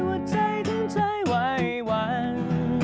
บอกเลยว่าใจทั้งใจไว้วัน